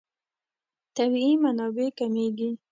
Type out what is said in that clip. طبیعي منابع کمېږي.